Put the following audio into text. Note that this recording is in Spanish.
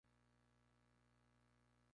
Su capital era la ciudad de Novosibirsk.